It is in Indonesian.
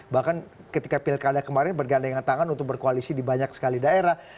bahkan ketika pilkada kemarin bergandingan tangan untuk berkoalisi di banyak sekali daerah